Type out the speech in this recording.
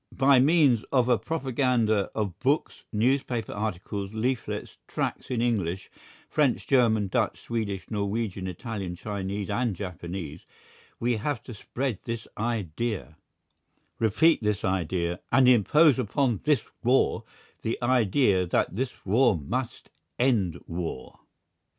By means of a propaganda of books, newspaper articles, leaflets, tracts in English, French, German, Dutch, Swedish, Norwegian, Italian, Chinese and Japanese we have to spread this idea, repeat this idea, and impose upon this war the idea that this war must end war.